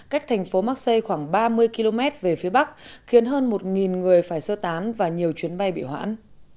cách thành phố maksi khoảng ba mươi km về phía bắc khiến hơn một người phải sơ tán và nhiều chuyến bay bị hoãn